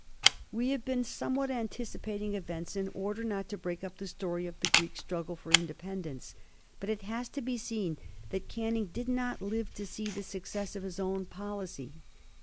We have been somewhat anticipating events in order not to break up the story of the Greek struggle for independence, but it has to be said that Canning did not live to see the success of his own policy.